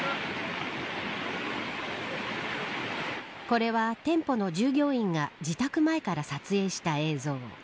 これは、店舗の従業員が自宅前から撮影した映像。